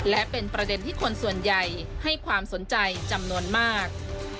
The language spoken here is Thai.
และเป็นประเด็นที่คนส่วนใหญ่ให้ความสนใจจำนวนมาก